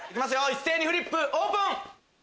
一斉にフリップオープン！